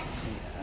gak ada apa apa